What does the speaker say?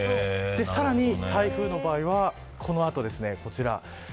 さらに、台風の場合はこの後ですね、こちら。